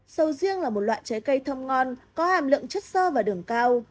sầu riêng là một loại trái cây thơm ngon có hàm lượng chất sơ và đường cao